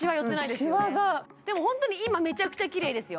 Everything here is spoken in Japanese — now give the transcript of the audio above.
でもホントに今メチャクチャキレイですよ